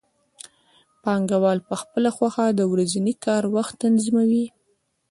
پانګوال په خپله خوښه د ورځني کار وخت تنظیموي